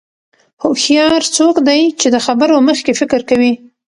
هوښیار څوک دی چې د خبرو مخکې فکر کوي.